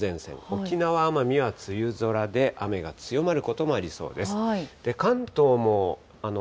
沖縄・奄美は梅雨空で、雨が強まることもありそうです。